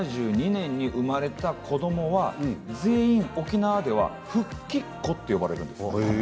１９７２年に生まれた子どもは全員が沖縄では復帰っ子と言われるんです。